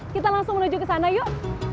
kita langsung menuju ke sana yuk